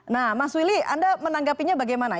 nah mas willy anda menanggapinya bagaimana